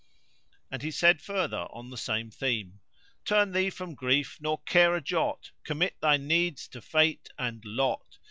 And he said further on the same theme:— Turn thee from grief nor care a jot! * Commit thy needs to Fate and Lot!